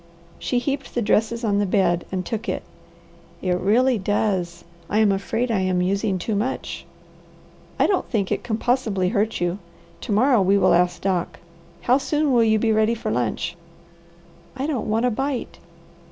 She heaped the dresses on the bed and took it. "It really does. I am afraid I am using too much." "I don't think it possibly can hurt you. To morrow we will ask Doc. How soon will you be ready for lunch?" "I don't want a bite."